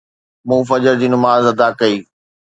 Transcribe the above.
مون فجر جي نماز ادا ڪئي